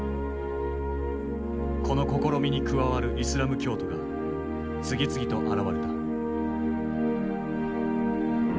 この試みに加わるイスラム教徒が次々と現れた。